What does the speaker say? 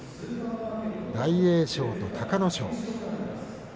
大栄翔と隆の勝。